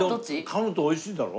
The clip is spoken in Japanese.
かむと美味しいだろ？